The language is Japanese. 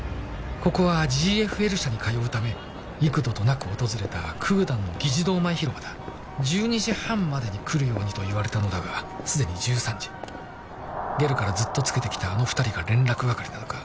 ここはＧＦＬ社に通うため幾度となく訪れたクーダンの議事堂前広場だ１２時半までに来るようにと言われたのだがすでに１３時ゲルからずっとつけてきたあの２人が連絡係なのか？